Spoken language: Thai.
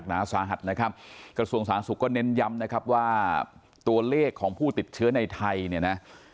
หนาสาหัสนะครับกระทรวงสาธารณสุขก็เน้นย้ำนะครับว่าตัวเลขของผู้ติดเชื้อในไทยเนี่ยนะ